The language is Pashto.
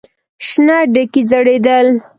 شنه ډکي ځړېدل.